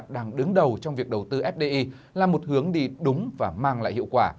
đang đứng đầu trong việc đầu tư fdi là một hướng đi đúng và mang lại hiệu quả